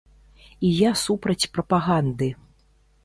І я супраць прапаганды.